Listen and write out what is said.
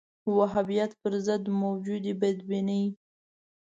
وهابیت پر ضد موجودې بدبینۍ